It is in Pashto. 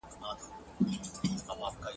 محتسب چي هره ورځ آزارولم ..